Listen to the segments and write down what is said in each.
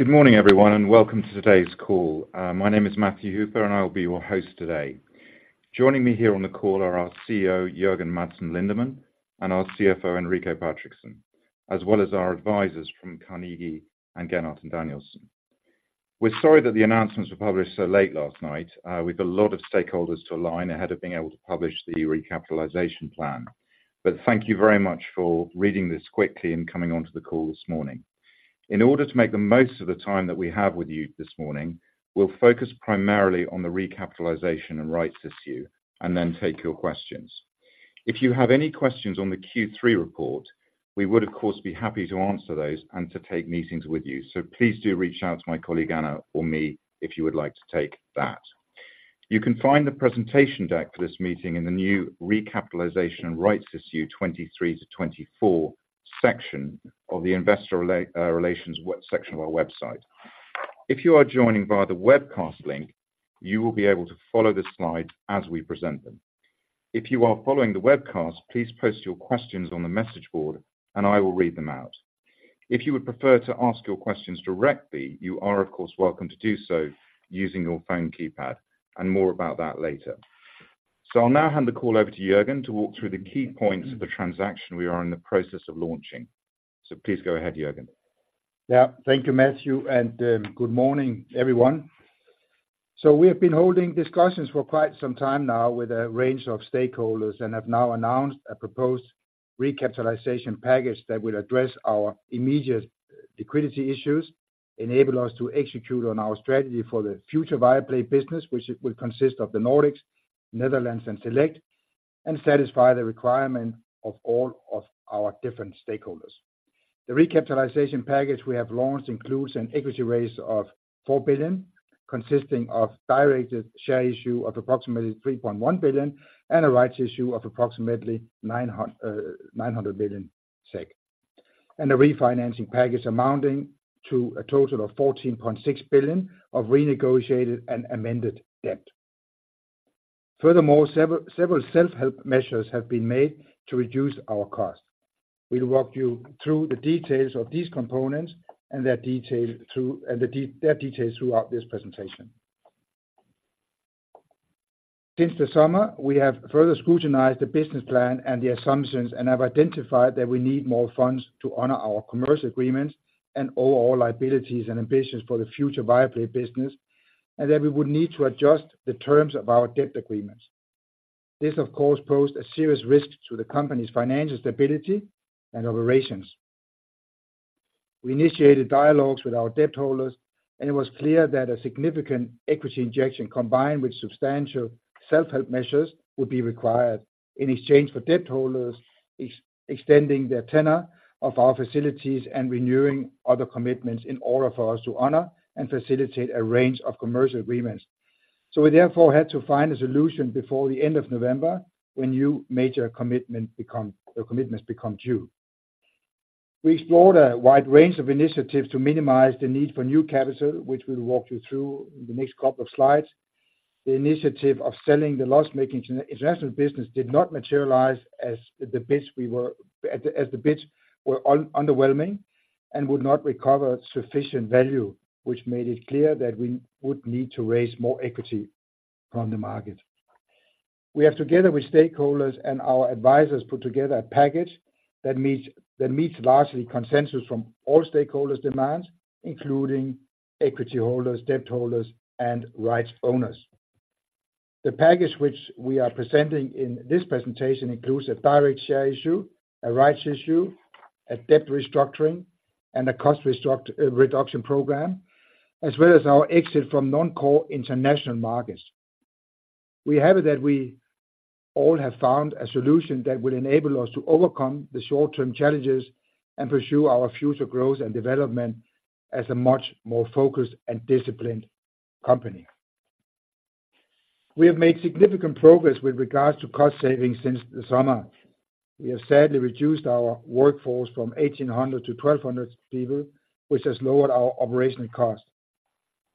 Good morning, everyone, and welcome to today's call. My name is Matthew Hooper, and I'll be your host today. Joining me here on the call are our CEO, Jørgen Madsen Lindemann, and our CFO, Enrique Patrickson, as well as our advisors from Carnegie and Gernandt & Danielsson. We're sorry that the announcements were published so late last night. We've a lot of stakeholders to align ahead of being able to publish the recapitalization plan. But thank you very much for reading this quickly and coming onto the call this morning. In order to make the most of the time that we have with you this morning, we'll focus primarily on the recapitalization and rights issue, and then take your questions. If you have any questions on the Q3 report, we would, of course, be happy to answer those and to take meetings with you. So please do reach out to my colleague, Anna, or me, if you would like to take that. You can find the presentation deck for this meeting in the new recapitalization and rights issue 2023-2024 section of the investor relations web section of our website. If you are joining via the webcast link, you will be able to follow the slides as we present them. If you are following the webcast, please post your questions on the message board, and I will read them out. If you would prefer to ask your questions directly, you are, of course, welcome to do so using your phone keypad, and more about that later. So I'll now hand the call over to Jørgen to walk through the key points of the transaction we are in the process of launching. So please go ahead, Jørgen. Yeah. Thank you, Matthew, and good morning, everyone. So we have been holding discussions for quite some time now with a range of stakeholders and have now announced a proposed recapitalization package that will address our immediate liquidity issues, enable us to execute on our strategy for the future Viaplay business, which will consist of the Nordics, Netherlands, and Select, and satisfy the requirement of all of our different stakeholders. The recapitalization package we have launched includes an equity raise of 4 billion, consisting of directed share issue of approximately 3.1 billion, and a rights issue of approximately 900 million SEK. A refinancing package amounting to a total of 14.6 billion of renegotiated and amended debt. Furthermore, several self-help measures have been made to reduce our cost. We'll walk you through the details of these components and their details throughout this presentation. Since the summer, we have further scrutinized the business plan and the assumptions and have identified that we need more funds to honor our commercial agreements and overall liabilities and ambitions for the future Viaplay business, and that we would need to adjust the terms of our debt agreements. This, of course, posed a serious risk to the company's financial stability and operations. We initiated dialogues with our debt holders, and it was clear that a significant equity injection, combined with substantial self-help measures, would be required in exchange for debt holders extending their tenure of our facilities and renewing other commitments in order for us to honor and facilitate a range of commercial agreements. So we therefore had to find a solution before the end of November, when new major commitments become due. We explored a wide range of initiatives to minimize the need for new capital, which we'll walk you through in the next couple of slides. The initiative of selling the loss-making international business did not materialize as the bids were underwhelming and would not recover sufficient value, which made it clear that we would need to raise more equity from the market. We have, together with stakeholders and our advisors, put together a package that meets largely consensus from all stakeholders' demands, including equity holders, debt holders, and rights owners. The package which we are presenting in this presentation includes a direct share issue, a rights issue, a debt restructuring, and a cost reduction program, as well as our exit from non-core international markets. We have that we all have found a solution that will enable us to overcome the short-term challenges and pursue our future growth and development as a much more focused and disciplined company. We have made significant progress with regards to cost savings since the summer. We have sadly reduced our workforce from 1,800 to 1,200 people, which has lowered our operational cost.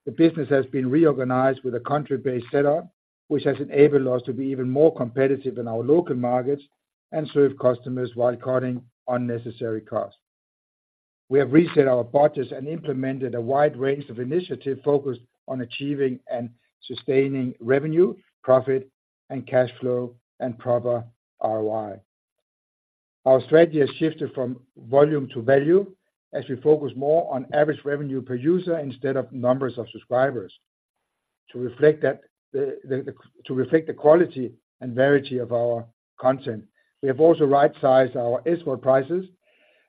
The business has been reorganized with a country-based setup, which has enabled us to be even more competitive in our local markets and serve customers while cutting unnecessary costs. We have reset our budgets and implemented a wide range of initiatives focused on achieving and sustaining revenue, profit, and cash flow, and proper ROI. Our strategy has shifted from volume to value as we focus more on average revenue per user instead of numbers of subscribers. To reflect that, to reflect the quality and variety of our content, we have also right-sized our subscription prices,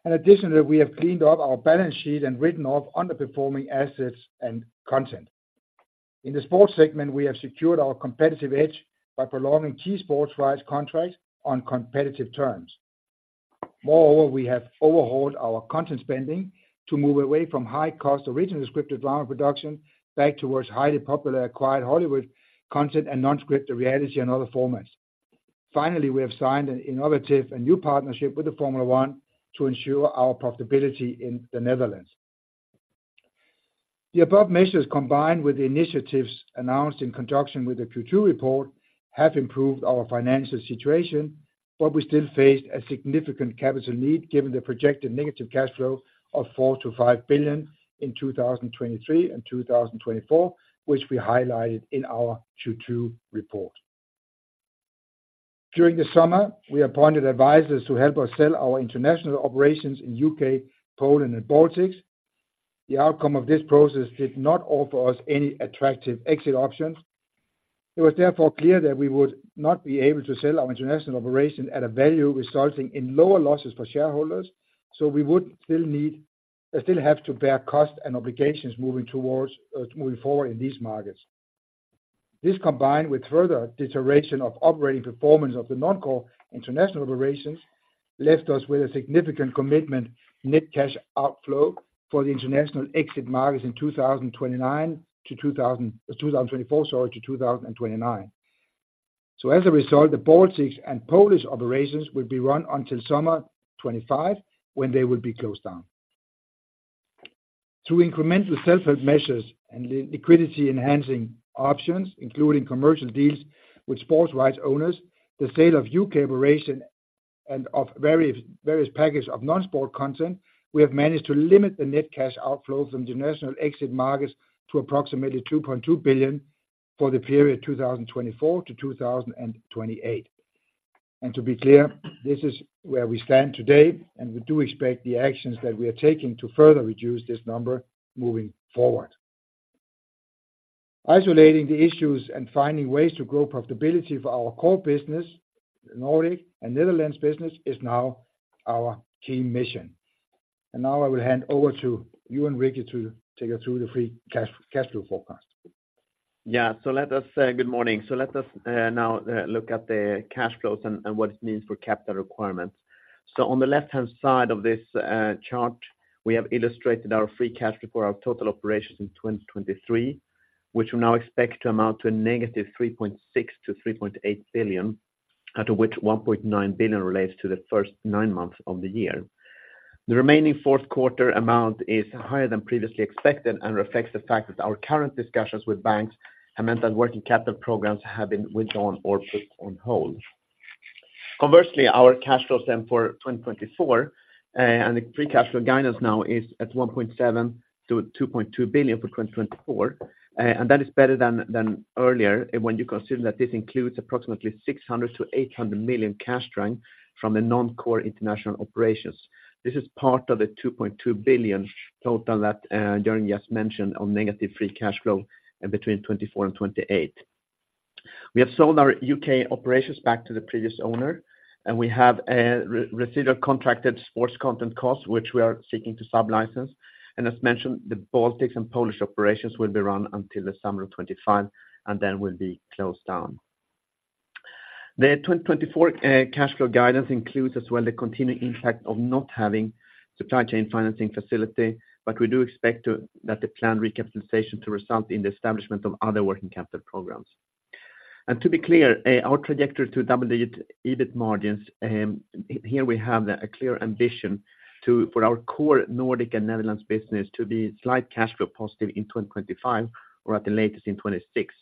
and additionally, we have cleaned up our balance sheet and written off underperforming assets and content. In the sports segment, we have secured our competitive edge by prolonging key sports rights contracts on competitive terms. Moreover, we have overhauled our content spending to move away from high-cost original scripted drama production back towards highly popular, acquired Hollywood content and non-scripted reality and other formats. Finally, we have signed an innovative and new partnership with the Formula One to ensure our profitability in the Netherlands. The above measures, combined with the initiatives announced in conjunction with the Q2 report, have improved our financial situation. But we still faced a significant capital need, given the projected negative cash flow of 4 billion-5 billion in 2023 and 2024, which we highlighted in our Q2 report. During the summer, we appointed advisors to help us sell our international operations in U.K., Poland, and Baltics. The outcome of this process did not offer us any attractive exit options. It was therefore clear that we would not be able to sell our international operation at a value resulting in lower losses for shareholders, so we would still need still have to bear costs and obligations moving towards, moving forward in these markets. This, combined with further deterioration of operating performance of the non-core international operations, left us with a significant commitment, net cash outflow for the international exit markets in 2029 to 2024, sorry, to 2029. So as a result, the Baltics and Polish operations will be run until summer 2025, when they will be closed down. Through incremental self-help measures and liquidity-enhancing options, including commercial deals with sports rights owners, the sale of U.K. operation and of various package of non-sport content, we have managed to limit the net cash outflow from the national exit markets to approximately 2.2 billion for the period 2024-2028. To be clear, this is where we stand today, and we do expect the actions that we are taking to further reduce this number moving forward. Isolating the issues and finding ways to grow profitability for our core business, Nordic and Netherlands business, is now our key mission. Now I will hand over to you Enrique to take us through the free cash flow forecast. Yeah, so let us say good morning. So let us now look at the cash flows and what it means for capital requirements. So on the left-hand side of this chart, we have illustrated our free cash flow for our total operations in 2023, which we now expect to amount to a negative 3.6 billion-3.8 billion, out of which 1.9 billion relates to the first nine months of the year. The remaining fourth quarter amount is higher than previously expected and reflects the fact that our current discussions with banks have meant that working capital programs have been withdrawn or put on hold. Conversely, our cash flows then for 2024 and the free cash flow guidance now is at 1.7 billion-2.2 billion for 2024. And that is better than, than earlier, when you consider that this includes approximately 600 million-800 million cash drain from the non-core international operations. This is part of the 2.2 billion total that, during, just mentioned, on negative free cash flow and between 2024 and 2028. We have sold our U.K. operations back to the previous owner, and we have, residual contracted sports content costs, which we are seeking to sublicense. And as mentioned, the Baltics and Poland operations will be run until the summer of 2025 and then will be closed down. The 2024, cash flow guidance includes as well the continuing impact of not having supply chain financing facility, but we do expect to, that the planned recapitalization to result in the establishment of other working capital programs. To be clear, our trajectory to double the EBIT margins, here we have a clear ambition to, for our core Nordic and Netherlands business to be slight cash flow positive in 2025 or at the latest in 2026,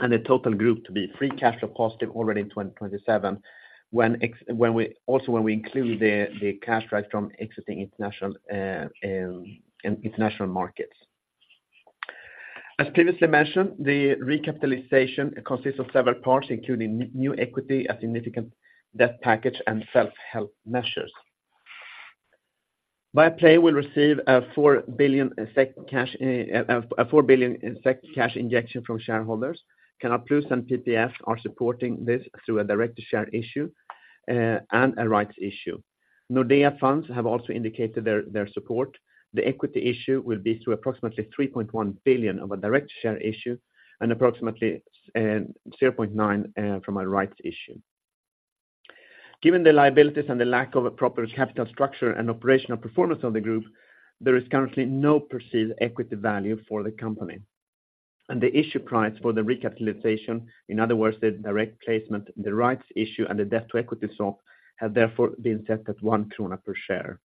and the total group to be free cash flow positive already in 2027, when we also include the cash flows from exiting international markets. As previously mentioned, the recapitalization consists of several parts, including new equity, a significant debt package, and self-help measures. Viaplay will receive a 4 billion SEK cash injection from shareholders. Canal+, and PPF are supporting this through a direct share issue, and a rights issue. Nordea Funds have also indicated their support. The equity issue will be through approximately 3.1 billion of a direct share issue and approximately 0.9 billion from a rights issue. Given the liabilities and the lack of a proper capital structure and operational performance of the group, there is currently no perceived equity value for the company. The issue price for the recapitalization, in other words, the direct placement, the rights issue, and the debt-to-equity swap, have therefore been set at 1 krona per share.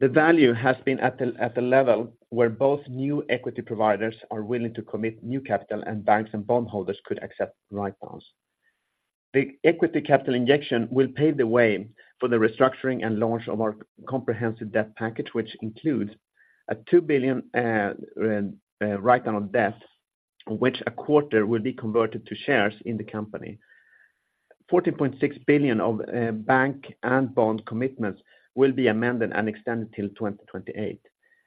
The value has been at the level where both new equity providers are willing to commit new capital, and banks and bondholders could accept write-downs. The equity capital injection will pave the way for the restructuring and launch of our comprehensive debt package, which includes a 2 billion write-down on debts, which a quarter will be converted to shares in the company. 14.6 billion of bank and bond commitments will be amended and extended till 2028.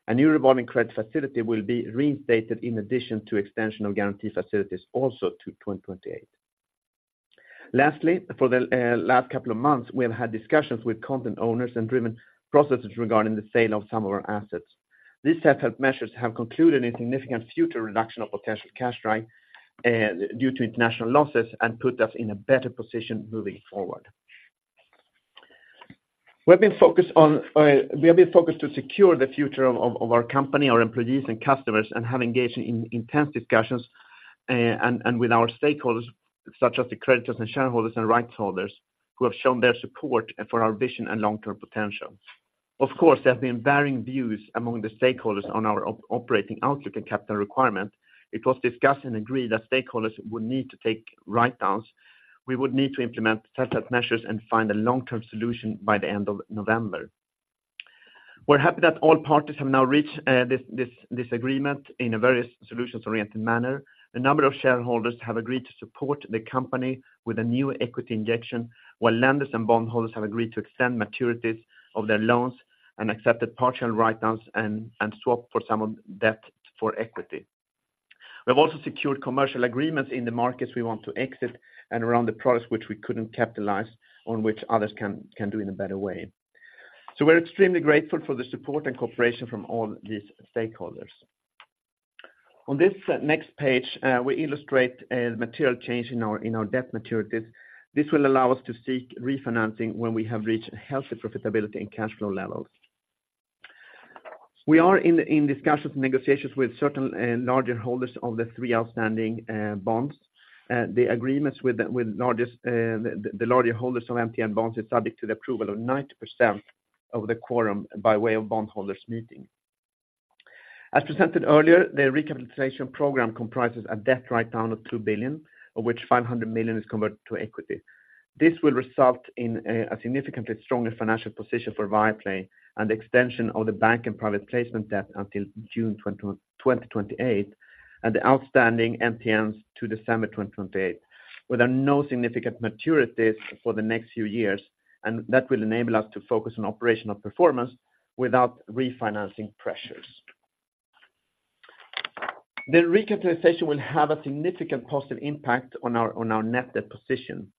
A new revolving credit facility will be reinstated in addition to extension of guarantee facilities, also to 2028. Lastly, for the last couple of months, we have had discussions with content owners and driven processes regarding the sale of some of our assets. These self-help measures have concluded in significant future reduction of potential cash drain due to international losses and put us in a better position moving forward. We have been focused on, we have been focused to secure the future of our company, our employees, and customers, and have engaged in intense discussions and with our stakeholders, such as the creditors and shareholders and rights holders, who have shown their support for our vision and long-term potential. Of course, there have been varying views among the stakeholders on our operating outlook and capital requirement. It was discussed and agreed that stakeholders would need to take write-downs. We would need to implement such measures and find a long-term solution by the end of November. We're happy that all parties have now reached this agreement in a various solutions-oriented manner. A number of shareholders have agreed to support the company with a new equity injection, while lenders and bondholders have agreed to extend maturities of their loans and accepted partial write-downs and swap for some of debt for equity. We've also secured commercial agreements in the markets we want to exit and around the products which we couldn't capitalize on, which others can do in a better way. So we're extremely grateful for the support and cooperation from all these stakeholders. On this next page, we illustrate a material change in our debt maturities. This will allow us to seek refinancing when we have reached healthy profitability and cash flow levels. We are in discussions and negotiations with certain larger holders of the three outstanding bonds. The agreements with the larger holders of MTN bonds is subject to the approval of 90% of the quorum by way of bondholders' meeting. As presented earlier, the recapitalization program comprises a debt write-down of 2 billion, of which 500 million is converted to equity. This will result in a significantly stronger financial position for Viaplay and the extension of the bank and private placement debt until June 2028, and the outstanding MTNs to December 2028, where there are no significant maturities for the next few years, and that will enable us to focus on operational performance without refinancing pressures. The recapitalization will have a significant positive impact on our net debt position.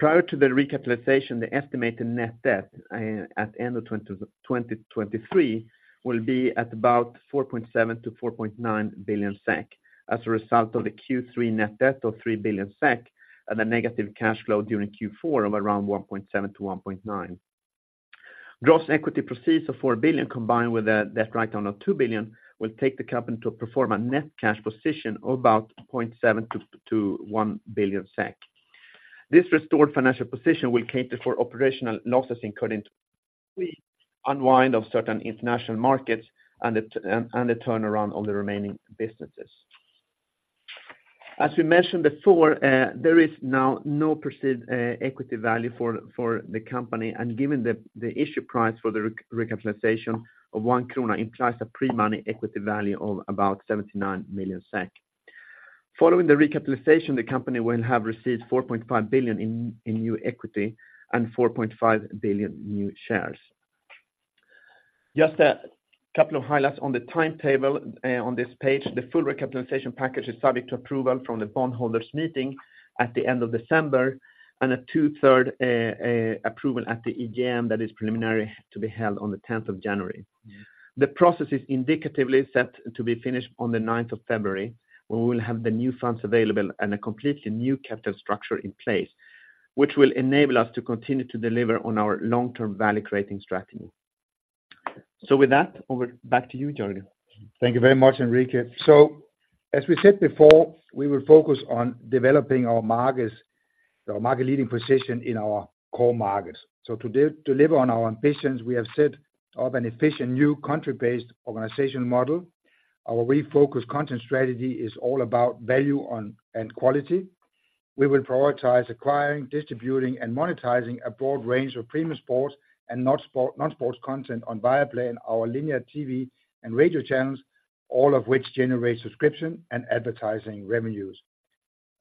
Prior to the recapitalization, the estimated net debt at end of 2023 will be at about 4.7 billion-4.9 billion SEK, as a result of the Q3 net debt of 3 billion SEK and a negative cash flow during Q4 of around 1.7 billion-1.9 billion. Gross equity proceeds of 4 billion, combined with a debt write-down of 2 billion, will take the company to perform a net cash position of about 0.7 billion-1 billion SEK. This restored financial position will cater for operational losses, including unwind of certain international markets and the turnaround on the remaining businesses. As we mentioned before, there is now no perceived equity value for the company, and given the issue price for the recapitalization of 1 krona implies a pre-money equity value of about 79 million SEK. Following the recapitalization, the company will have received 4.5 billion in new equity and 4.5 billion new shares. Just a couple of highlights on the timetable on this page. The full recapitalization package is subject to approval from the bondholders' meeting at the end of December, and a two-thirds approval at the EGM that is preliminary to be held on the tenth of January. The process is indicatively set to be finished on the ninth of February, when we will have the new funds available and a completely new capital structure in place, which will enable us to continue to deliver on our long-term value-creating strategy. So with that, back to you, Jørgen. Thank you very much, Enrique. So, as we said before, we will focus on developing our markets, our market-leading position in our core markets. So to deliver on our ambitions, we have set up an efficient new country-based organization model. Our refocused content strategy is all about value and quality. We will prioritize acquiring, distributing, and monetizing a broad range of premium sports and non-sports content on Viaplay and our linear TV and radio channels, all of which generate subscription and advertising revenues.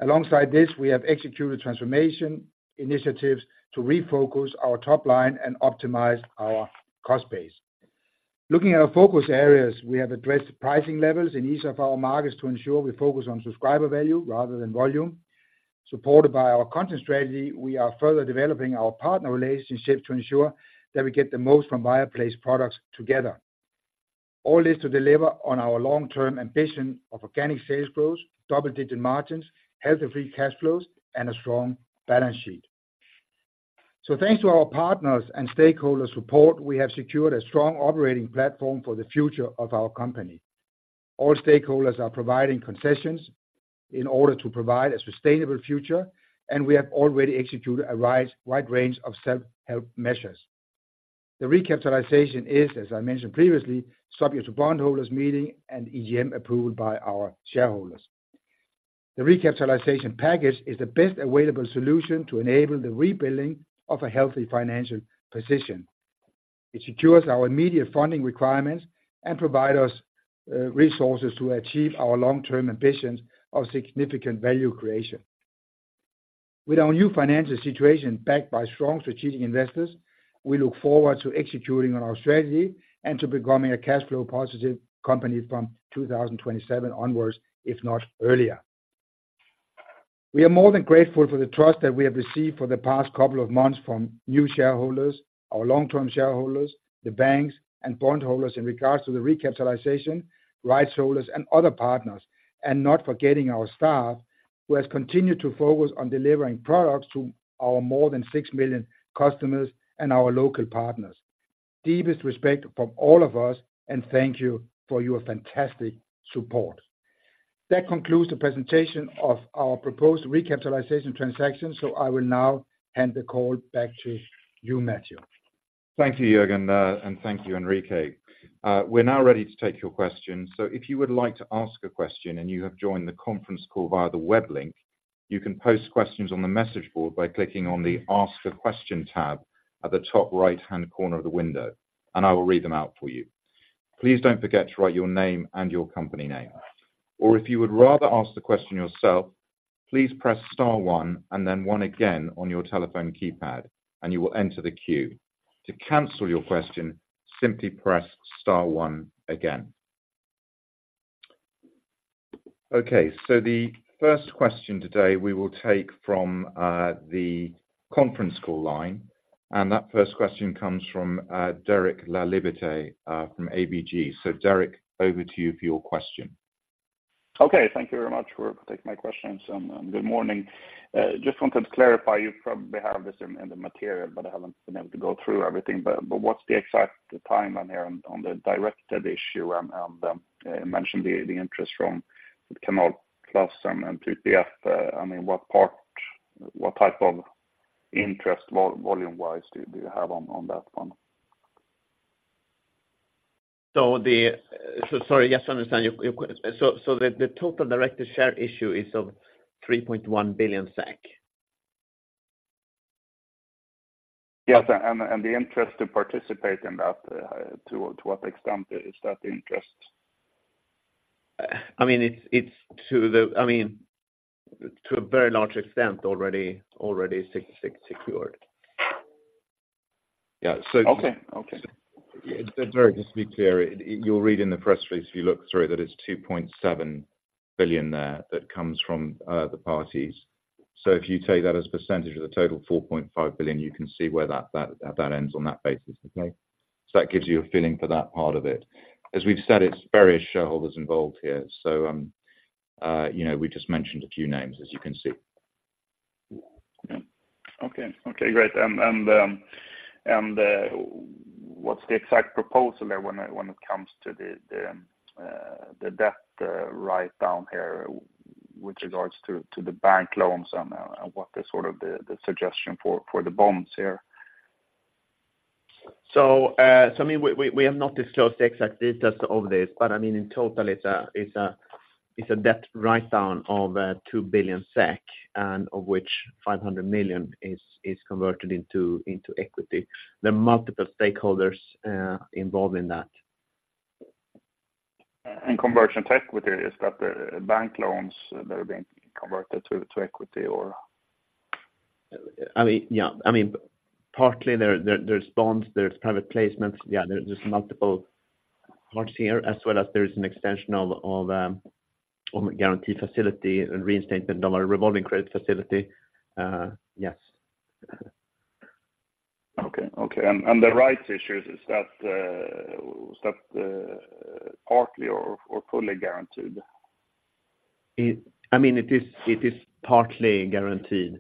Alongside this, we have executed transformation initiatives to refocus our top line and optimize our cost base. Looking at our focus areas, we have addressed pricing levels in each of our markets to ensure we focus on subscriber value rather than volume. Supported by our content strategy, we are further developing our partner relationships to ensure that we get the most from Viaplay's products together. All this to deliver on our long-term ambition of organic sales growth, double-digit margins, healthy free cash flows, and a strong balance sheet. So thanks to our partners and stakeholders' support, we have secured a strong operating platform for the future of our company. All stakeholders are providing concessions in order to provide a sustainable future, and we have already executed a wide, wide range of self-help measures. The recapitalization is, as I mentioned previously, subject to bondholders' meeting and EGM approval by our shareholders. The recapitalization package is the best available solution to enable the rebuilding of a healthy financial position. It secures our immediate funding requirements and provide us, resources to achieve our long-term ambitions of significant value creation. With our new financial situation, backed by strong strategic investors, we look forward to executing on our strategy and to becoming a cash flow positive company from 2027 onwards, if not earlier. We are more than grateful for the trust that we have received for the past couple of months from new shareholders, our long-term shareholders, the banks and bondholders in regards to the recapitalization, rights holders and other partners, and not forgetting our staff, who has continued to focus on delivering products to our more than 6 million customers and our local partners. Deepest respect from all of us, and thank you for your fantastic support. ... That concludes the presentation of our proposed recapitalization transaction, so I will now hand the call back to you, Matthew. Thank you, Jørgen, and thank you, Enrique. We're now ready to take your questions. So if you would like to ask a question, and you have joined the conference call via the web link, you can post questions on the message board by clicking on the Ask a Question tab at the top right-hand corner of the window, and I will read them out for you. Please don't forget to write your name and your company name. Or if you would rather ask the question yourself, please press star one and then one again on your telephone keypad, and you will enter the queue. To cancel your question, simply press star one again. Okay, so the first question today we will take from the conference call line, and that first question comes from Derek LaLiberte from ABG. So Derek, over to you for your question. Okay, thank you very much for taking my questions, and, good morning. Just wanted to clarify, you probably have this in, in the material, but I haven't been able to go through everything, but, but what's the exact timeline here on, on the directed issue, and, you mentioned the, the interest from Canal+ and, and PPF. I mean, what part- what type of interest vol- volume-wise do you, do you have on, on that one? So, the total Directed Share Issue is of 3.1 billion SEK. Yes, and the interest to participate in that, to what extent is that interest? I mean, to a very large extent already secured. Yeah, so- Okay. Okay. So Derek, just to be clear, you'll read in the press release, if you look through, that it's 2.7 billion there that comes from the parties. So if you take that as a percentage of the total 4.5 billion, you can see where that, that, that ends on that basis. Okay? So that gives you a feeling for that part of it. As we've said, it's various shareholders involved here, so, you know, we just mentioned a few names, as you can see. Yeah. Okay. Okay, great. And what's the exact proposal there when it comes to the debt write down here with regards to the bank loans and what the sort of the suggestion for the bonds here? So, I mean, we have not disclosed the exact details of this, but I mean, in total, it's a debt write down of 2 billion SEK, and of which 500 million is converted into equity. There are multiple stakeholders involved in that. Conversion to equity, is that the bank loans that are being converted to equity, or? I mean, yeah. I mean, partly there, there's bonds, there's private placements. Yeah, there's multiple parts here, as well as there is an extension of of guarantee facility and reinstatement of our revolving credit facility, yes. Okay, okay. And the rights issues, is that partly or fully guaranteed? I mean, it is, it is partly guaranteed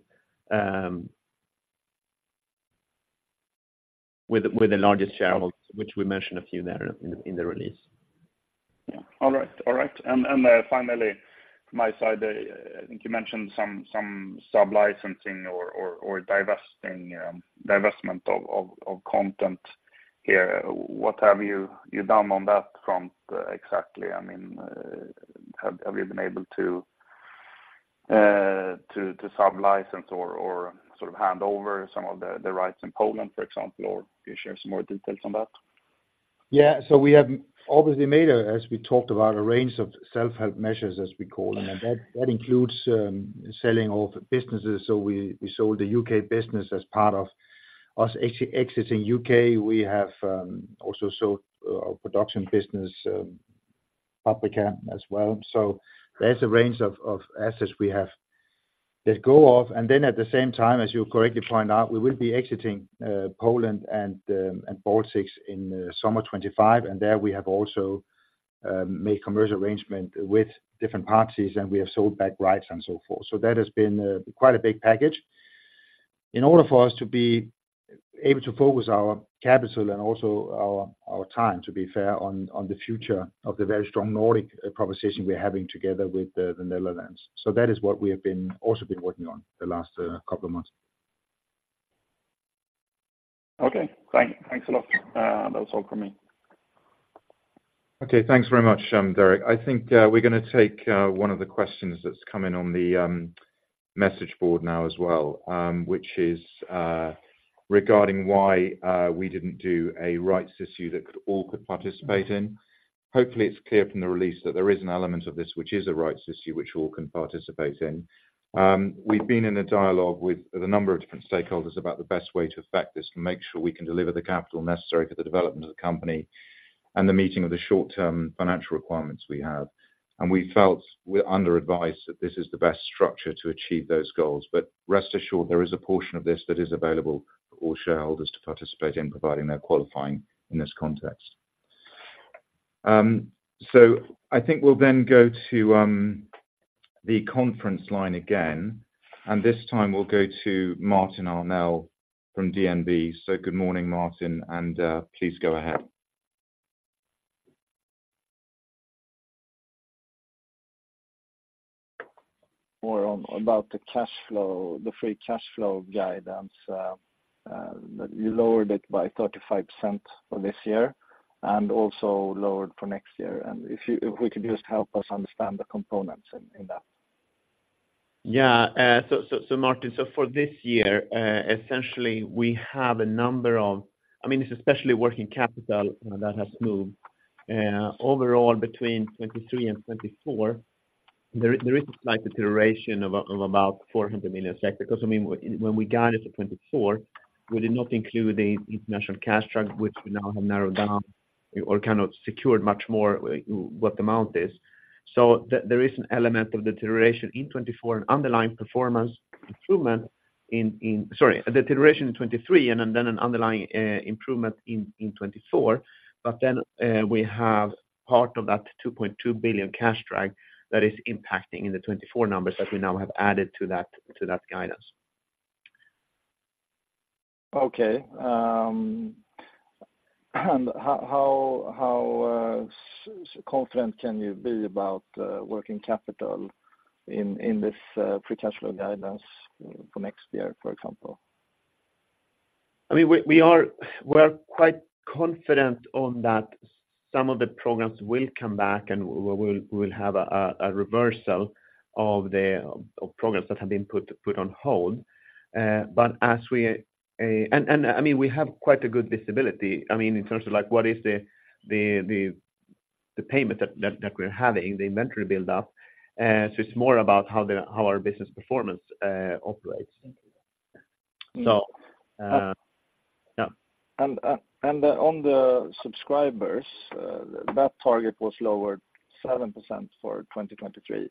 with the largest shareholders, which we mentioned a few there in the release. Yeah. All right. All right. Finally, my side, I think you mentioned some sub-licensing or divesting, divestment of content here. What have you done on that front exactly? I mean, have you been able to sublicense or sort of hand over some of the rights in Poland, for example, or can you share some more details on that? Yeah. So we have obviously made, as we talked about, a range of self-help measures, as we call them, and that includes selling off businesses. So we sold the U.K. business as part of our exiting U.K. We have also sold our production business, Paprika as well. So there's a range of assets we have let go of. And then at the same time, as you correctly pointed out, we will be exiting Poland and Baltics in summer 2025, and there we have also made commercial arrangement with different parties, and we have sold back rights and so forth. So that has been quite a big package. In order for us to be able to focus our capital and also our, our time, to be fair, on, on the future of the very strong Nordic conversation we're having together with the Netherlands. So that is what we have been, also been working on the last couple of months. Okay, thanks a lot. That's all from me. Okay, thanks very much, Derek. I think, we're gonna take, one of the questions that's come in on the, message board now as well, which is, regarding why, we didn't do a rights issue that all could participate in. Hopefully, it's clear from the release that there is an element of this, which is a rights issue, which all can participate in. We've been in a dialogue with a number of different stakeholders about the best way to effect this, to make sure we can deliver the capital necessary for the development of the company and the meeting of the short-term financial requirements we have. And we felt, we're under advice, that this is the best structure to achieve those goals. But rest assured, there is a portion of this that is available for all shareholders to participate in, providing they're qualifying in this context. So I think we'll then go to the conference line again, and this time we'll go to Martin Arnell from DNB. So good morning, Martin, and please go ahead. More on about the cash flow, the free cash flow guidance. You lowered it by 0.35 for this year, and also lowered for next year. And if we could just help us understand the components in that? Yeah. So, Martin, so for this year, essentially, we have a number of—I mean, it's especially working capital that has moved. Overall, between 2023 and 2024, there is a slight deterioration of about 400 million. Because, I mean, when we guided for 2024, we did not include the international cash drag, which we now have narrowed down or kind of secured much more, what the amount is. So there is an element of deterioration in 2024 and underlying performance improvement in—sorry, a deterioration in 2023 and then an underlying improvement in 2024. But then, we have part of that 2.2 billion cash drag that is impacting in the 2024 numbers that we now have added to that guidance. Okay, and how confident can you be about working capital in this free cash flow guidance for next year, for example? I mean, we are quite confident on that some of the programs will come back, and we'll have a reversal of the programs that have been put on hold. But as we... I mean, we have quite a good visibility, I mean, in terms of, like, what is the payment that we're having, the inventory build-up. So it's more about how our business performance operates. So, yeah. And on the subscribers, that target was lowered 7% for 2023.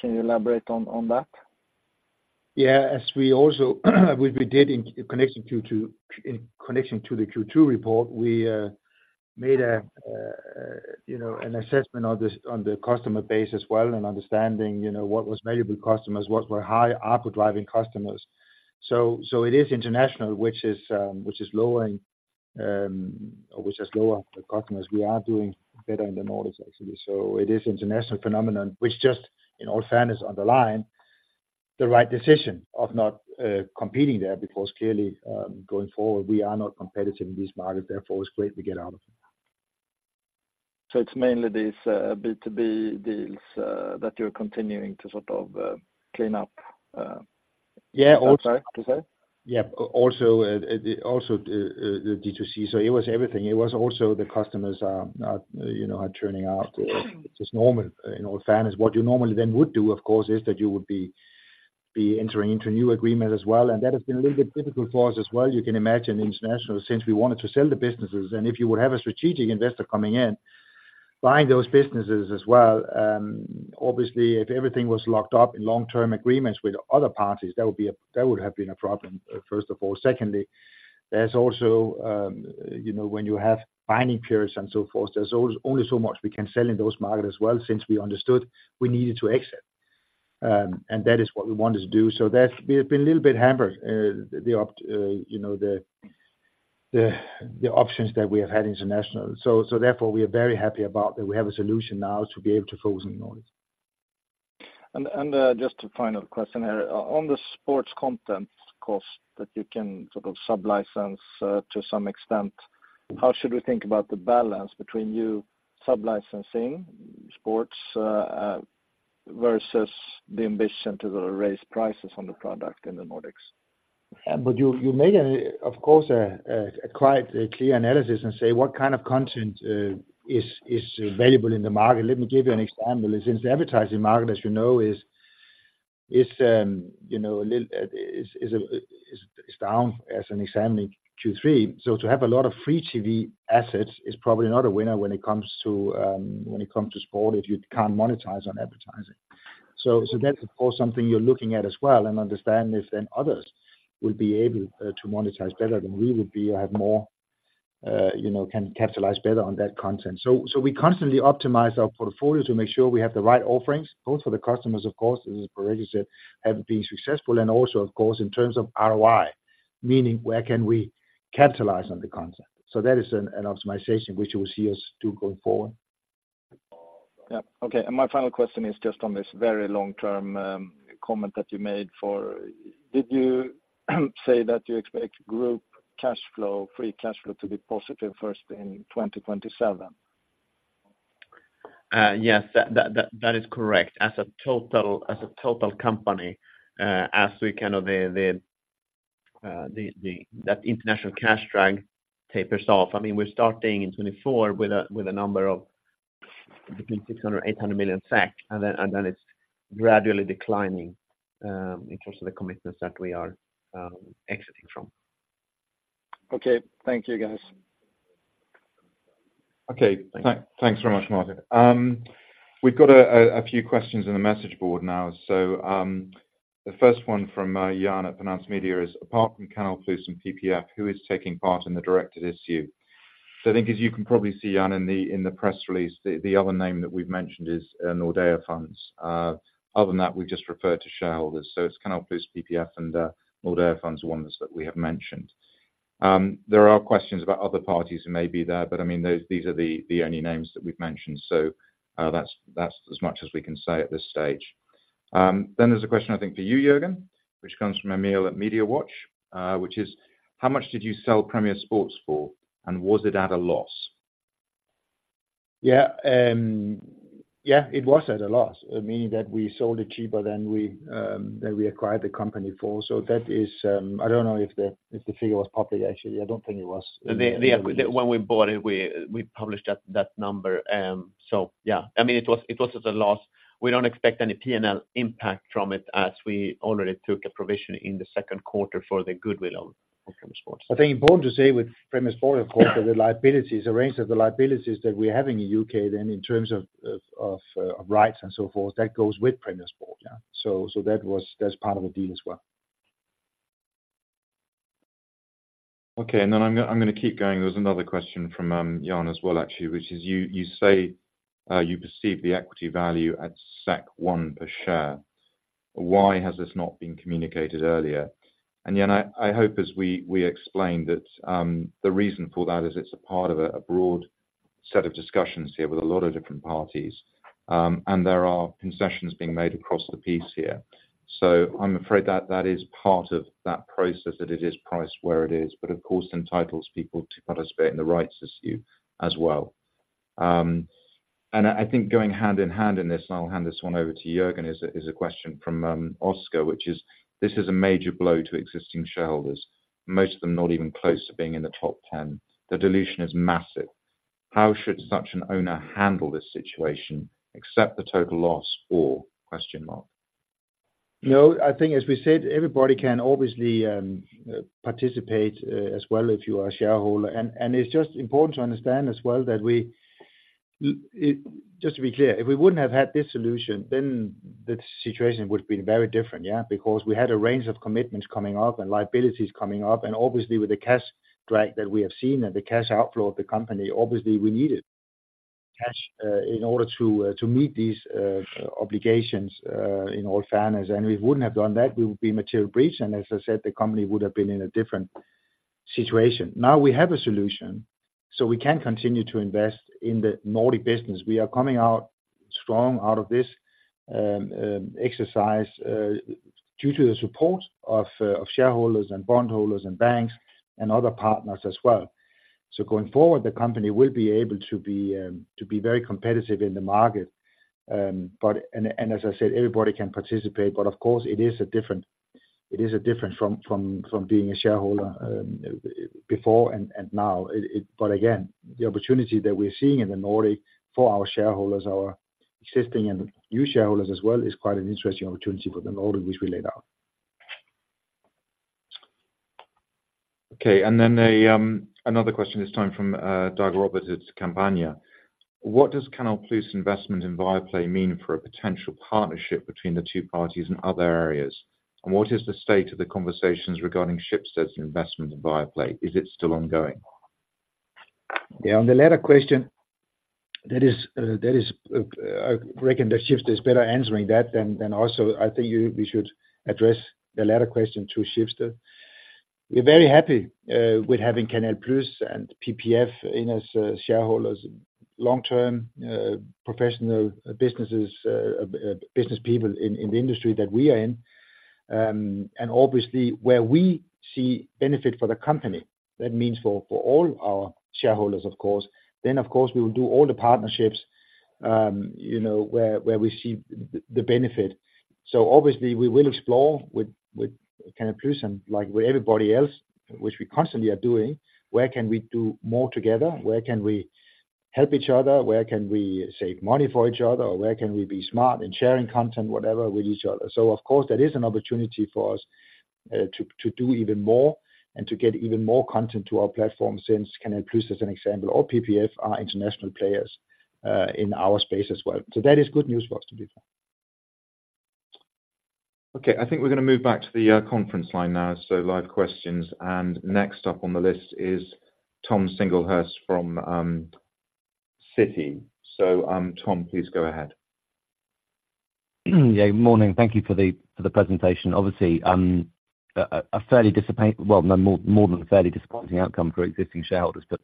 Can you elaborate on that? Yeah, as we also did in connection to the Q2 report, we made, you know, an assessment on this, on the customer base as well, and understanding, you know, what was valuable customers, what were high ARPU driving customers. So it is international, which is lowering, or which has lower the customers. We are doing better in the Nordics, actually. So it is international phenomenon, which just, in all fairness, underline the right decision of not competing there, because clearly, going forward, we are not competitive in this market, therefore, it's great to get out of it. It's mainly these B2B deals that you're continuing to sort of clean up. Yeah. Is that right to say? Yeah. Also, the D2C. So it was everything. It was also the customers, you know, are churning out, just normal. In all fairness, what you normally then would do, of course, is that you would be entering into a new agreement as well, and that has been a little bit difficult for us as well. You can imagine international, since we wanted to sell the businesses, and if you would have a strategic investor coming in, buying those businesses as well, obviously, if everything was locked up in long-term agreements with other parties, that would have been a problem, first of all. Secondly, there's also, you know, when you have binding periods and so forth, there's only so much we can sell in those markets as well, since we understood we needed to exit. And that is what we wanted to do. So that's, we have been a little bit hampered, you know, the options that we have had international. So therefore, we are very happy about that we have a solution now to be able to focus on Nordics. Just a final question here. On the sports content cost that you can sort of sub-license to some extent, how should we think about the balance between you sub-licensing sports versus the ambition to raise prices on the product in the Nordics? But you make of course a quite clear analysis and say, what kind of content is available in the market? Let me give you an example. Since the advertising market, as you know, you know, a little down as in examining Q3. So to have a lot of free TV assets is probably not a winner when it comes to sport, if you can't monetize on advertising. So that's of course something you're looking at as well and understand if then others will be able to monetize better than we would be, or have more you know can capitalize better on that content. So we constantly optimize our portfolio to make sure we have the right offerings, both for the customers, of course, as Patrickson said, have been successful, and also, of course, in terms of ROI, meaning where can we capitalize on the content? So that is an optimization which you will see us do going forward. Yeah. Okay, and my final question is just on this very long-term comment that you made for... Did you say that you expect group cash flow, free cash flow, to be positive first in 2027? Yes, that is correct. As a total company, as the international cash drag tapers off, I mean, we're starting in 2024 with a number between 600 million-800 million, and then it's gradually declining, in terms of the commitments that we are exiting from. Okay. Thank you, guys. Okay. Thanks very much, Martin. We've got a few questions in the message board now. So, the first one from Jan at Finance Media is: Apart from Canal+ and PPF, who is taking part in the directed issue? So I think as you can probably see, Jan, in the press release, the other name that we've mentioned is Nordea Funds. Other than that, we've just referred to shareholders. So it's Canal+, PPF, and Nordea Funds are ones that we have mentioned. There are questions about other parties who may be there, but I mean, these are the only names that we've mentioned. So, that's as much as we can say at this stage. Then there's a question, I think for you, Jørgen, which comes from Emil at Media Watch, which is: How much did you sell Premier Sports for, and was it at a loss? Yeah. Yeah, it was at a loss, meaning that we sold it cheaper than we acquired the company for. So that is... I don't know if the figure was public, actually. I don't think it was. When we bought it, we published that number. So yeah, I mean, it was at a loss. We don't expect any P&L impact from it, as we already took a provision in the second quarter for the goodwill of Premier Sports. I think important to say with Premier Sports, of course, that the liabilities regarding the liabilities that we're having in the U.K. then in terms of rights and so forth, that goes with Premier Sports. Yeah. So, that's part of the deal as well. Okay, and then I'm gonna, I'm gonna keep going. There's another question from Jan as well, actually, which is: You, you say you perceive the equity value at 1 per share. Why has this not been communicated earlier? And Jan, I, I hope as we, we explained that the reason for that is it's a part of a broad set of discussions here with a lot of different parties and there are concessions being made across the piece here. So I'm afraid that that is part of that process, that it is priced where it is, but of course, entitles people to participate in the rights issue as well. And I think going hand in hand in this, and I'll hand this one over to Jørgen, is a question from Oscar, which is: This is a major blow to existing shareholders, most of them not even close to being in the top ten. The dilution is massive. How should such an owner handle this situation, accept the total loss, or? No, I think as we said, everybody can obviously participate as well if you are a shareholder. And it's just important to understand as well that we just to be clear, if we wouldn't have had this solution, then the situation would have been very different, yeah, because we had a range of commitments coming up and liabilities coming up, and obviously with the cash drag that we have seen and the cash outflow of the company, obviously we needed cash in order to to meet these obligations in all fairness. And we wouldn't have done that, we would be material breach, and as I said, the company would have been in a different situation. Now, we have a solution, so we can continue to invest in the Nordic business. We are coming out strong out of this exercise, due to the support of shareholders and bondholders and banks and other partners as well. So going forward, the company will be able to be very competitive in the market. But as I said, everybody can participate, but of course it is different from being a shareholder before and now. It, but again, the opportunity that we're seeing in the Nordic for our shareholders, our existing and new shareholders as well, is quite an interesting opportunity for the Nordic, which we laid out. Okay, and then another question, this time from Dag Robert at Kampanje. What does Canal+'s investment in Viaplay mean for a potential partnership between the single parties and other areas? And what is the state of the conversations regarding Schibsted's investment in Viaplay? Is it still ongoing? Yeah, on the latter question, that is, that is, I reckon that Schibsted is better answering that than also, I think you—we should address the latter question to Schibsted. We're very happy with having Canal+ and PPF in as shareholders, long-term professional businesses, business people in the industry that we are in. And obviously, where we see benefit for the company, that means for all our shareholders, of course, then, of course, we will do all the partnerships, you know, where we see the benefit. So obviously, we will explore with Canal+ and like, with everybody else, which we constantly are doing, where can we do more together? Where can we help each other? Where can we save money for each other, or where can we be smart in sharing content, whatever, with each other? So of course, that is an opportunity for us, to do even more and to get even more content to our platform, since Canal+, as an example, or PPF, are international players, in our space as well. So that is good news for us to do that. Okay, I think we're gonna move back to the conference line now, so live questions. And next up on the list is Tom Singlehurst from Citi. So, Tom, please go ahead. Yeah, good morning. Thank you for the presentation. Obviously, well, no, more than a fairly disappointing outcome for existing shareholders. But,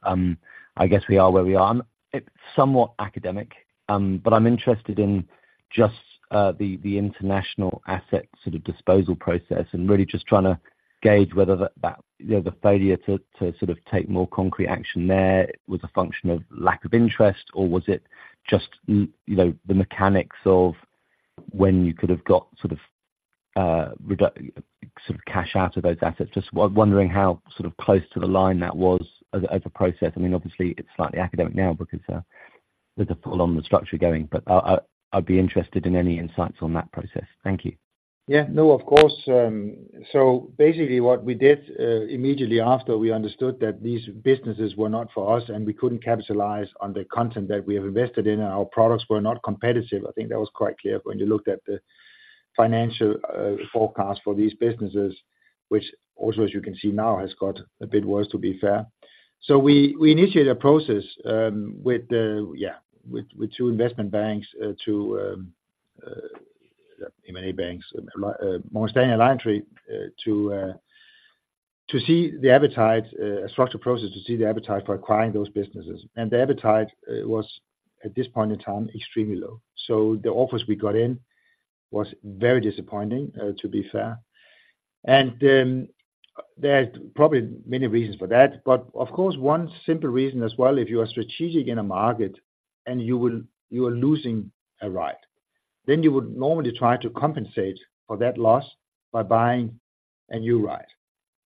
I guess we are where we are. It's somewhat academic, but I'm interested in just the international asset sort of disposal process and really just trying to gauge whether that, you know, the failure to sort of take more concrete action there was a function of lack of interest, or was it just, you know, the mechanics of when you could have got sort of reduce sort of cash out of those assets? Just wondering how sort of close to the line that was as a process. I mean, obviously, it's slightly academic now because with the full-on restructure going, but I, I'd be interested in any insights on that process. Thank you. Yeah, no, of course. So basically what we did immediately after we understood that these businesses were not for us, and we couldn't capitalize on the content that we have invested in, and our products were not competitive. I think that was quite clear when you looked at the financial forecast for these businesses, which also, as you can see now, has got a bit worse, to be fair. So we initiated a process with two investment banks, Morgan Stanley and LionTree, to see the appetite for acquiring those businesses. And the appetite was at this point in time extremely low. So the offers we got in was very disappointing, to be fair. There are probably many reasons for that, but of course, one simple reason as well, if you are strategic in a market and you are losing a right, then you would normally try to compensate for that loss by buying a new right.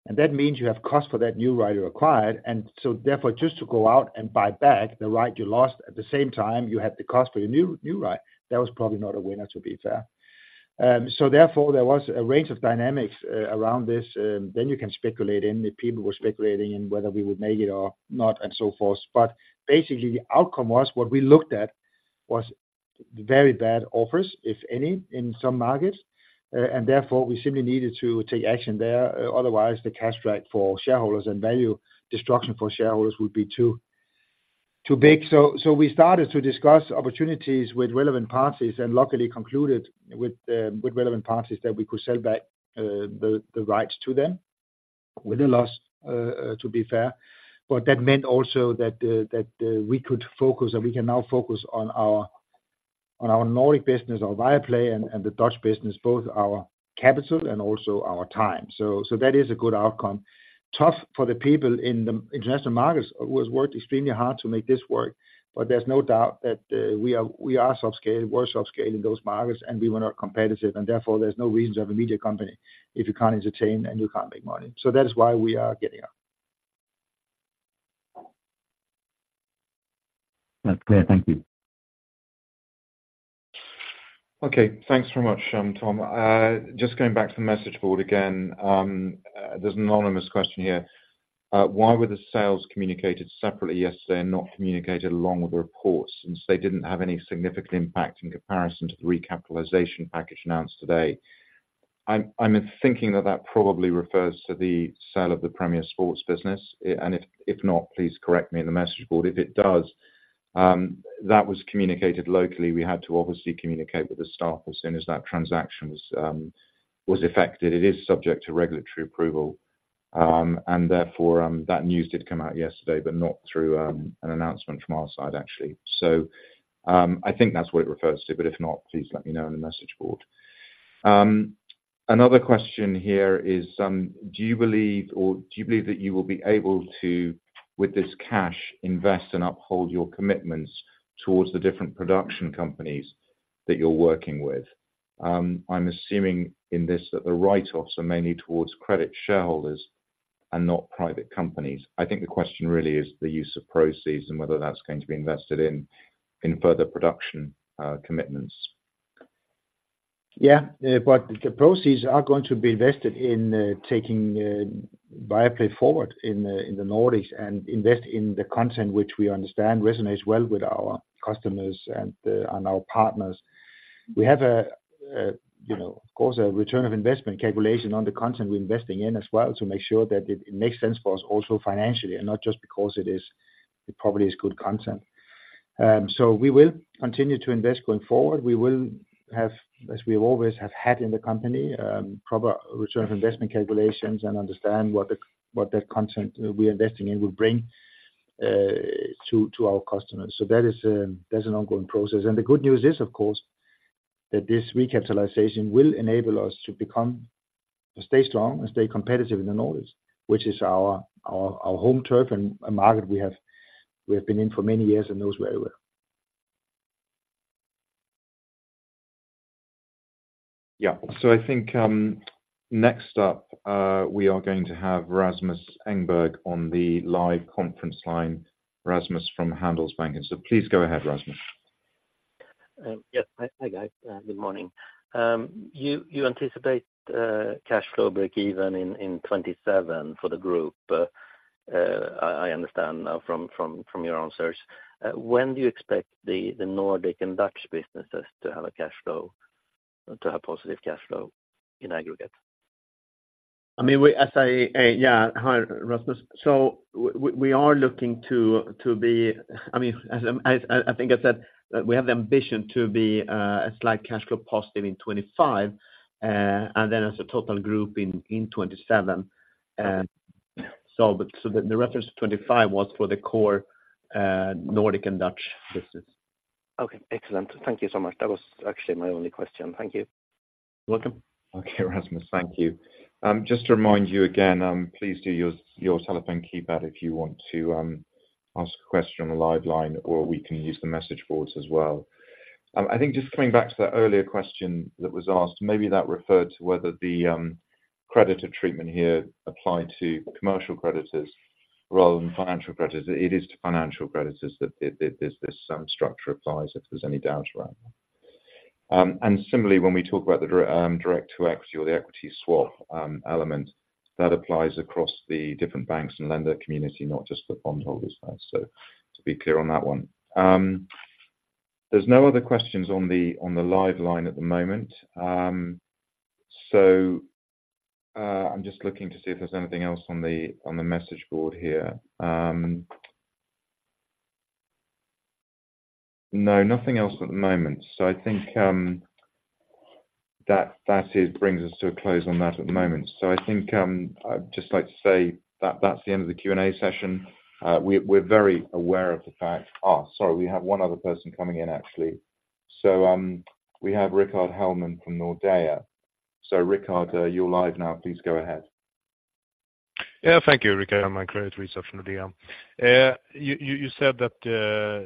And that means you have cost for that new right you acquired, and so therefore, just to go out and buy back the right you lost, at the same time, you had the cost for your new right. That was probably not a winner, to be fair. So therefore, there was a range of dynamics around this. Then you can speculate, and the people were speculating in whether we would make it or not, and so forth. But basically, the outcome was, what we looked at, was very bad offers, if any, in some markets. And therefore we simply needed to take action there, otherwise, the cash flow for shareholders and value destruction for shareholders would be too, too big. So we started to discuss opportunities with relevant parties, and luckily concluded with relevant parties, that we could sell back the rights to them with a loss, to be fair. But that meant also that we could focus, and we can now focus on our Nordic business, our Viaplay, and the Dutch business, both our capital and also our time. So that is a good outcome. Tough for the people in the international markets, who has worked extremely hard to make this work, but there's no doubt that we are, we are self-scaling, we're self-scaling those markets, and we were not competitive, and therefore there's no reason to have a media company if you can't entertain and you can't make money. So that is why we are getting out. That's clear. Thank you. Okay, thanks very much, Tom. Just going back to the message board again. There's an anonymous question here. Why were the sales communicated separately yesterday and not communicated along with the reports, since they didn't have any significant impact in comparison to the recapitalization package announced today? I'm thinking that that probably refers to the sale of the Premier Sports business, and if not, please correct me in the message board. If it does, that was communicated locally. We had to obviously communicate with the staff as soon as that transaction was affected. It is subject to regulatory approval, and therefore, that news did come out yesterday, but not through an announcement from our side, actually. So, I think that's what it refers to, but if not, please let me know in the message board. Another question here is: Do you believe, or do you believe that you will be able to, with this cash, invest and uphold your commitments towards the different production companies that you're working with? I'm assuming in this, that the write-offs are mainly towards credit shareholders and not private companies. I think the question really is the use of proceeds and whether that's going to be invested in, in further production, commitments. Yeah, but the proceeds are going to be invested in taking Viaplay forward in the Nordics, and invest in the content which we understand resonates well with our customers and our partners. We have a, you know, of course, a return on investment calculation on the content we're investing in as well, to make sure that it makes sense for us also financially, and not just because it probably is good content. So we will continue to invest going forward. We will have, as we always have had in the company, proper return on investment calculations and understand what that content we are investing in will bring to our customers. So that is, that's an ongoing process. And the good news is, of course, that this recapitalization will enable us to become... To stay strong and stay competitive in the Nordics, which is our home turf and a market we have been in for many years and know very well. Yeah. So I think, next up, we are going to have Rasmus Engberg on the live conference line. Rasmus from Handelsbanken. So please go ahead, Rasmus. Yes. Hi, guys. Good morning. You anticipate cash flow break-even in 2027 for the group. I understand now from your answers. When do you expect the Nordic and Dutch businesses to have a cash flow, to have positive cash flow in aggregate? I mean, we... Yeah, hi, Rasmus. So we are looking to be—I mean, as I think I said, that we have the ambition to be a slight cash flow positive in 2025, and then as a total group in 2027. So, but the reference to 2025 was for the core Nordic and Dutch business. Okay, excellent. Thank you so much. That was actually my only question. Thank you. Welcome. Okay, Rasmus, thank you. Just to remind you again, please use your telephone keypad if you want to ask a question on the live line, or we can use the message boards as well. I think just coming back to that earlier question that was asked, maybe that referred to whether the creditor treatment here applied to commercial creditors rather than financial creditors. It is to financial creditors that this structure applies, if there's any doubt around that. And similarly, when we talk about the direct to equity or the equity swap element. That applies across the different banks and lender community, not just the bondholders, right? So to be clear on that one. There's no other questions on the live line at the moment. So, I'm just looking to see if there's anything else on the message board here. No, nothing else at the moment. So I think that brings us to a close on that at the moment. So I think I'd just like to say that that's the end of the Q&A session. We're very aware of the fact. Oh, sorry, we have one other person coming in actually. So we have Rickard Hellman from Nordea. So Rickard, you're live now. Please go ahead. Yeah, thank you. Rickard Hellman, credit research from Nordea. You said that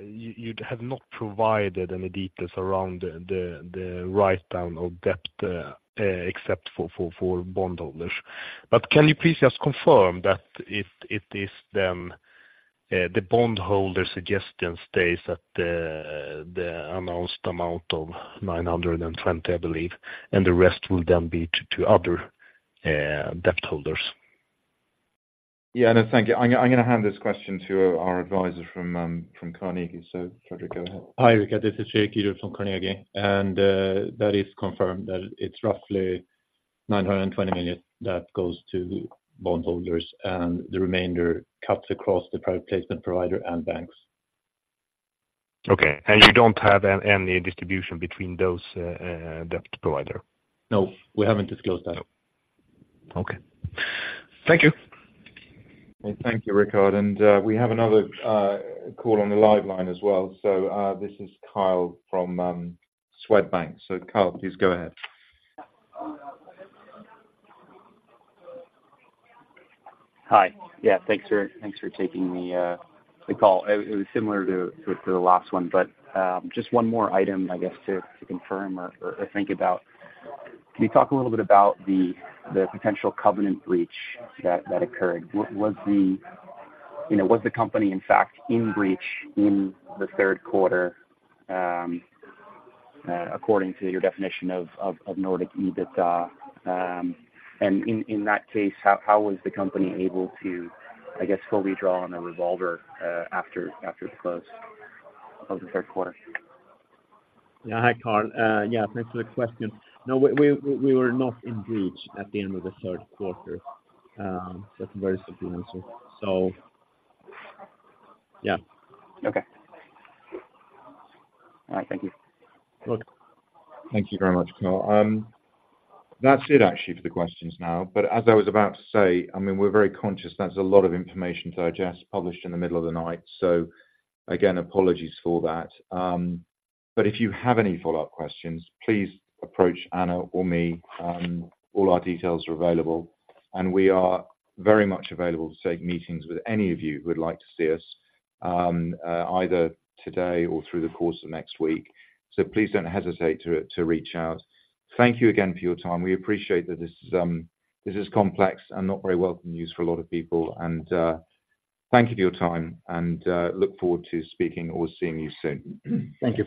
you you'd have not provided any details around the writedown or debt, except for bondholders. But can you please just confirm that if it is then the bondholder suggestion stays at the announced amount of 920 million, I believe, and the rest will then be to other debt holders? Yeah. No, thank you. I'm gonna hand this question to our advisor from Carnegie. So Fredrik, go ahead. Hi, Rickard. This is Fredrik Gjerstad from Carnegie, and that is confirmed that it's roughly 920 million that goes to bondholders, and the remainder cuts across the private placement provider and banks. Okay. And you don't have any distribution between those debt provider? No, we haven't disclosed that. Okay. Thank you. Well, thank you, Rickard. We have another call on the live line as well. This is Kyle from Swedbank. Kyle, please go ahead. Hi. Yeah, thanks for, thanks for taking the, the call. It was similar to, to the last one, but, just one more item, I guess, to, to confirm or, or, or think about. Can you talk a little bit about the potential covenant breach that occurred? Was the... You know, was the company, in fact, in breach in the third quarter, according to your definition of Nordic EBITDA? And in that case, how was the company able to, I guess, fully draw on the revolver, after the close of the third quarter? Yeah. Hi, Kyle. Yeah, thanks for the question. No, we were not in breach at the end of the third quarter. That's very simply answered. So, yeah. Okay. All right, thank you. Good. Thank you very much, Kyle. That's it actually for the questions now, but as I was about to say, I mean, we're very conscious that's a lot of information to digest, published in the middle of the night. So again, apologies for that. But if you have any follow-up questions, please approach Anna or me. All our details are available, and we are very much available to take meetings with any of you who would like to see us, either today or through the course of next week. So please don't hesitate to reach out. Thank you again for your time. We appreciate that this is complex and not very welcome news for a lot of people, and thank you for your time and look forward to speaking or seeing you soon. Thank you.